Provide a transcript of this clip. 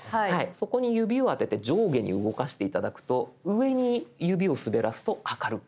そこに指を当てて上下に動かして頂くと上に指を滑らすと明るく。